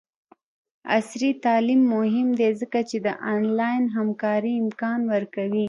عصري تعلیم مهم دی ځکه چې د آنلاین همکارۍ امکان ورکوي.